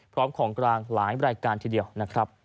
ของกลางหลายรายการทีเดียวนะครับ